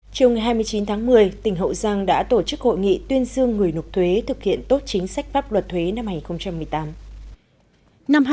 trong ngày hai mươi chín tháng một mươi tỉnh hậu giang đã tổ chức hội nghị tuyên dương người nộp thuế thực hiện tốt chính sách pháp luật thuế năm hai nghìn một mươi tám